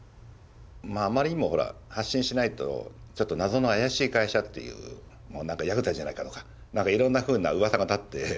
あまりにもほら発信しないとちょっと謎の怪しい会社っていうヤクザじゃないかとか何かいろんなふうな噂が立って。